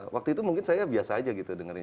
waktu itu mungkin saya biasa aja gitu dengerin